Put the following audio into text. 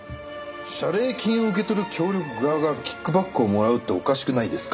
謝礼金を受け取る協力側がキックバックをもらうっておかしくないですか？